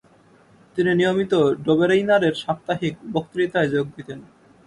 তিনি নিয়মিত ডোবেরেইনারের সাপ্তাহিক বক্তৃতায় যোগ দিতেন।